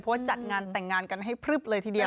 เพราะว่าจัดงานแต่งงานกันให้พลึบเลยทีเดียว